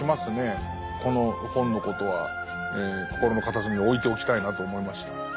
この本のことは心の片隅に置いておきたいなと思いました。